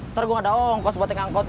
ntar gue gak ada ongkos buat yang ngangkotnya